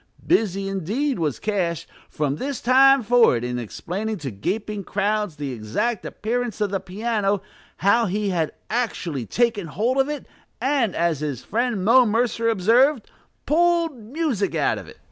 Busy indeed was Cash, from this time forward, in explaining to gaping crowds the exact appearance of the piano, how he had actually taken hold of it, and, as his friend Mo Mercer observed, "pulled music out of it."